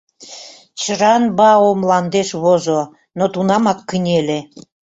Чжан-Бао мландеш возо, но тунамак кынеле.